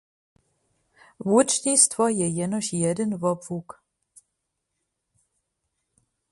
Łódźnistwo je jenož jedyn wobłuk.